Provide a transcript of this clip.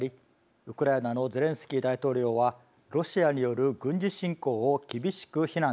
ウクライナのゼレンスキー大統領はロシアによる軍事侵攻を厳しく非難しました。